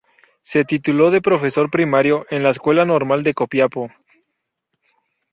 Se tituló de profesor primario en la Escuela Normal de Copiapó.